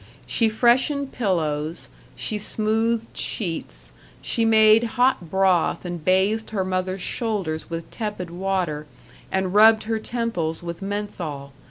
She freshened pillows, she smoothed sheets; she made hot broth and bathed her mother's shoulders with tepid water and rubbed her temples with menthol.